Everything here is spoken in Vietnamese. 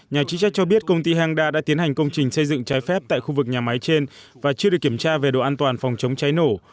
nhà chức trách cho biết công ty hangda đã tiến hành công trình xây dựng trái phép tại khu vực nhà máy trên và chưa được kiểm tra về độ an toàn phòng chống cháy nổ